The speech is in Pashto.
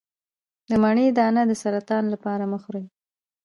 د مڼې دانه د سرطان لپاره مه خورئ